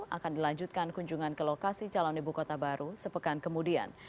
akan dilanjutkan kunjungan ke lokasi calon ibu kota baru sepekan kemudian